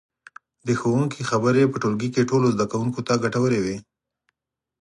د ښوونکي خبرې په ټولګي کې ټولو زده کوونکو ته ګټورې وي.